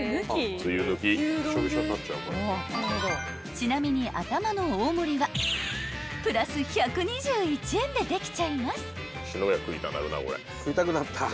［ちなみにアタマの大盛はプラス１２１円でできちゃいます］